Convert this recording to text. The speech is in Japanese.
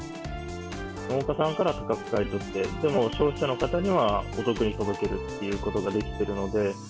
農家さんからは高く買い取って、消費者の方にはお得に届けるっていうことができてるので。